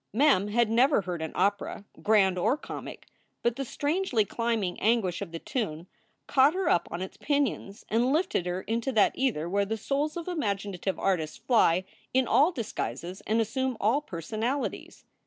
Mem had never heard an opera, grand or comic. But the strangely climbing anguish of the tune caught her up on its pinions, and lifted her into that ether where the souls of imaginative artists fly in all disguises and assume all per sonalities.